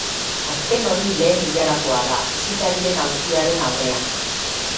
Azken hori lehen ilarakoa da, bisitarien aulkiaren aurrean.